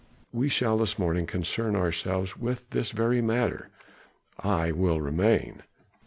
We shall this morning concern ourselves with this very matter." "I will remain."